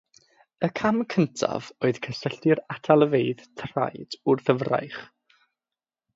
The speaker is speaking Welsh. Y cam cyntaf oedd cysylltu'r atalfeydd traed wrth y fraich.